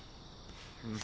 うん。